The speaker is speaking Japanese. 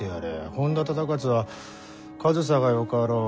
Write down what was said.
本多忠勝は上総がよかろう。